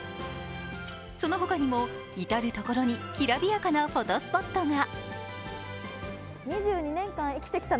その他にも至る所にきらびやかなフォトスポットが。